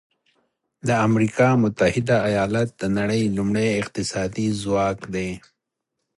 د امریکا متحده ایالات د نړۍ لومړی اقتصادي ځواک دی.